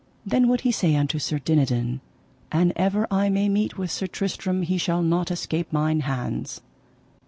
Then would he say unto Sir Dinadan: An ever I may meet with Sir Tristram he shall not escape mine hands.